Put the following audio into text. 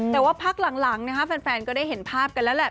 แต่ว่าพักหลังแฟนก็ได้เห็นภาพกันแล้วแหละ